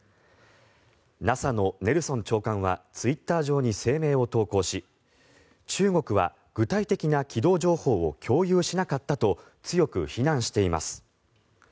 ＮＡＳＡのネルソン長官はツイッター上に声明を投稿し中国は具体的な軌道情報を共有しなかったと強く非難しています。